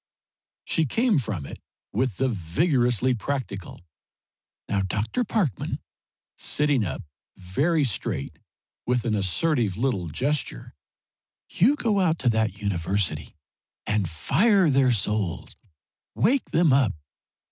She came from it with the vigorously practical, "Now, Dr. Parkman," sitting up very straight, with an assertive little gesture "you go out to that university and fire their souls! Wake them up!